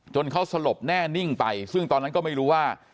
เขาสลบแน่นิ่งไปซึ่งตอนนั้นก็ไม่รู้ว่า